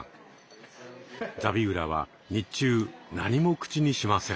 ザビウラは日中何も口にしません。